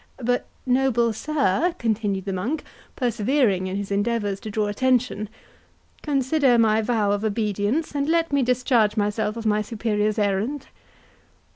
"But, noble sir," continued the monk, persevering in his endeavours to draw attention, "consider my vow of obedience, and let me discharge myself of my Superior's errand."